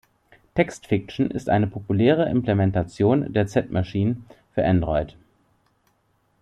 Text Fiction ist eine populäre Implementation der Z-Machine für Android.